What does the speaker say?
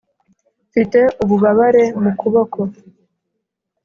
mfite ububabare mu kuboko.